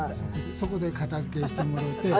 そこで片づけしてもろうて。